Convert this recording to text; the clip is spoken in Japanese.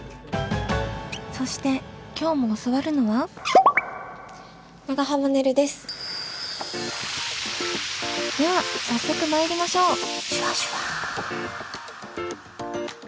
そして今日も教わるのはでは早速参りましょう！